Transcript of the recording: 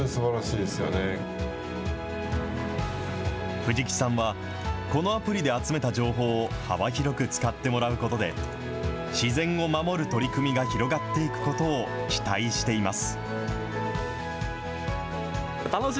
藤木さんは、このアプリで集めた情報を幅広く使ってもらうことで、自然を守る取り組みが広がっていくことを期待しています。